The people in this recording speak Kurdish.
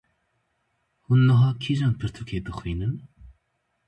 Hûn niha kîjan pirtûkê dixwînin?